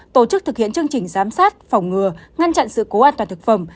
tổ chức thực hiện chương trình giám sát phòng ngừa ngăn chặn sự cố an toàn thực phẩm